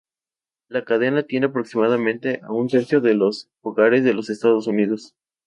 La cadena atiende aproximadamente a un tercio de los hogares de los Estados Unidos.